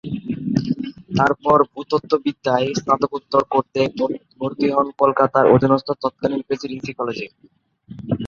তারপর ভূতত্ববিদ্যায় স্নাতকোত্তর করতে ভরতি হন কলকাতা অধীনস্থ তৎকালীন প্রেসিডেন্সি কলেজে।